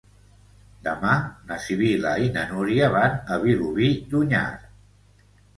Demà na Sibil·la i na Núria van a Vilobí d'Onyar.